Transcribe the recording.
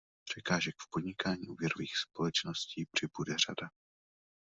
Překážek v podnikání úvěrových společností přibude řada.